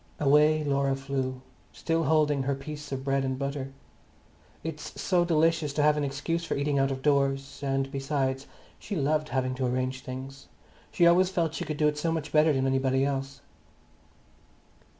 Away Laura flew, still holding her piece of bread and butter. It's so delicious to have an excuse for eating out of doors, and besides, she loved having to arrange things; she always felt she could do it so much better than anybody else.